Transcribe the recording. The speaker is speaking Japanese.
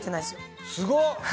すごっ！